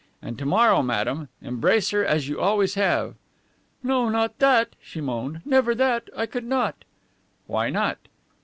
And to morrow, madame, embrace her as you always have." "No, not that," she moaned. "Never that. I could not." "Why not?"